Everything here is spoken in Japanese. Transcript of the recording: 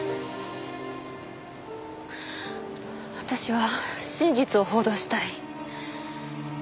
私は真実を報道したい。